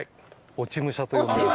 落ち武者と呼んでいます。